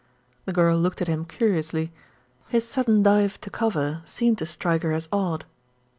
The girl looked at him curiously. His sudden dive to cover seemed to strike her as odd.